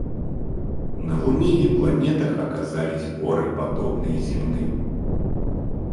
На Луне и планетах оказались горы, подобные земным.